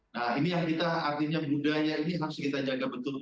nah ini yang kita artinya budaya ini harus kita jaga betul